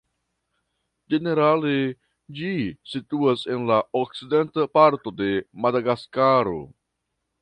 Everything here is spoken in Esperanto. Ĝenerale, ĝi situas en la okcidenta parto de Madagaskaro.